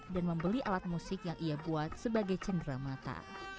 dan membeli alat musik yang ia buat sebagai cendera mata